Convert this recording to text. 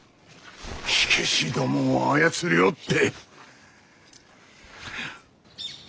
火消しどもを操りおって。